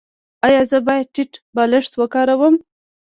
ایا زه باید ټیټ بالښت وکاروم؟